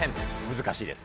難しいです。